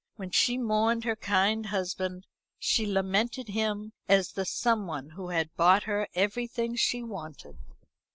When she mourned her kind husband, she lamented him as the someone who had bought her everything she wanted.